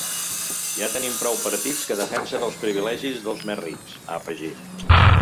Ja tenim prou partits que defensen els privilegis dels més rics, ha afegit.